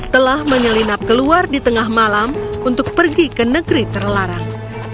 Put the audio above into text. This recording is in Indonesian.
telah menyelinap keluar di tengah malam untuk pergi ke negeri terlarang